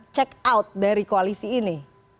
check out dari koalisi ini